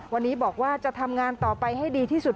วันนี้บอกว่าจะทำงานต่อไปให้ดีที่สุด